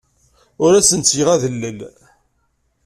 Ur asen-ttgeɣ adellel.